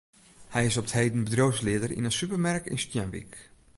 Hy is op 't heden bedriuwslieder yn in supermerk yn Stienwyk.